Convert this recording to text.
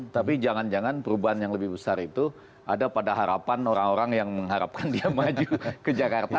tapi jangan jangan perubahan yang lebih besar itu ada pada harapan orang orang yang mengharapkan dia maju ke jakarta